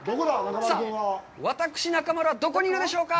さあ、私、中丸は、どこにいるでしょうか？